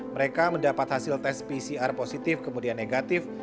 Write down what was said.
mereka mendapat hasil tes pcr positif kemudian negatif